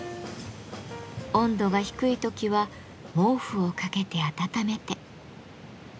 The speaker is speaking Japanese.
温度が低い時は毛布をかけて温めて。